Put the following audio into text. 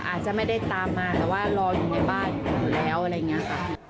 อาจจะไม่ได้ตามมาแต่ว่ารออยู่ในบ้านอยู่แล้วอะไรอย่างนี้ค่ะ